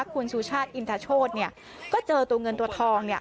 คุณสูชาติอินทรโชธเนี่ยก็เจอตัวเงินตัวทองเนี่ย